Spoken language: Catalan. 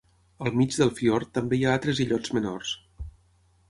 Al mig del fiord també hi ha altres illots menors.